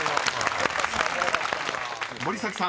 ［森崎さん